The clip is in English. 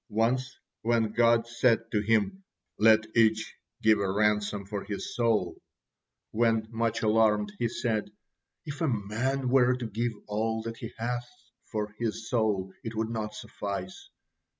Once, when God said to him, "Let each give a ransom for his soul," when, much alarmed, he said: "If a man were to give all that he hath for his soul, it would not suffice."